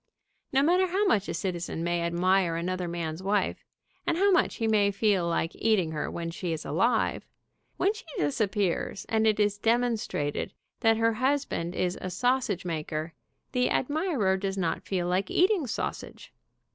No matter how much a citizen may admire another man's wife, and how much he may feel like eating her when she is alive, when she dis appears, and it is demonstrated that her husband is a sausage maker, the admirer does not feel like "To Ella, from Adolph." eating sausage.